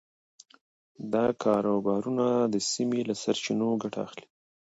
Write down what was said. دا کاروبارونه د سیمې له سرچینو ګټه اخلي.